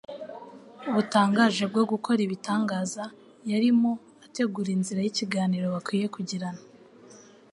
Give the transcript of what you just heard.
butangaje bwo gukora ibitangaza, yari mo ategura inzira y'ikiganiro bakwiye kugirana.